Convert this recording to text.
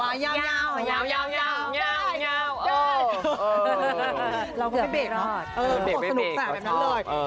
เราก็ไปเริ่มรอดไม่